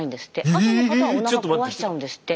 あとの方はおなか壊しちゃうんですって。